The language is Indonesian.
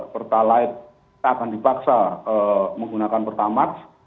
pertalite kita akan dipaksa menggunakan pertamax